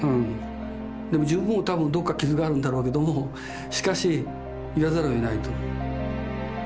でも自分も多分どっか傷があるんだろうけどもしかし言わざるをえないと。